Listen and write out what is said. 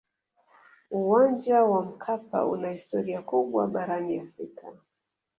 uwanja wa mkapa una historia kubwa barani afrika